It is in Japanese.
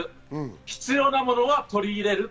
必要なものは取り入れる。